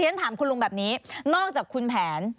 ฉันถามคุณลุงแบบนี้นอกจากคุณแผน